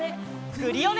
クリオネ！